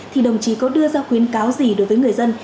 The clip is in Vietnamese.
thì đồng chí có đưa ra khuyến cáo gì đối với người dân